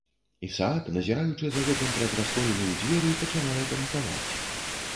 Ісаак, назіраючы за гэтым праз расколіну ў дзверы, пачынае панікаваць.